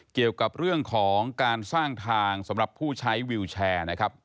เกี่ยวกับเรื่องของการสร้างทางสำหรับผู้ใช้วิวแชร์นะครับ